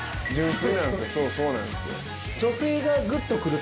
そうなんですよ。